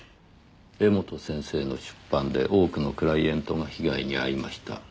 「柄本先生の出版で多くのクライエントが被害に遭いました」